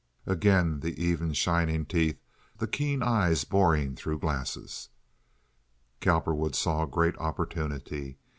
Again the even, shining teeth, the keen eyes boring through the glasses. Cowperwood saw a great opportunity.